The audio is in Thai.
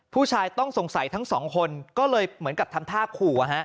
ผู้ชายต้องสงสัยทั้งสองคนก็เลยเหมือนกับทำท่าขู่